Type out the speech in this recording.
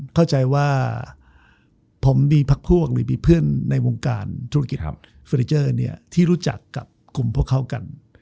เข้าใจว่าผมมีพักพวกหรือมีเพื่อนในวงการธุรกิจเฟอร์นิเจอร์ที่รู้จักกับกลุ่มพวกเขากัน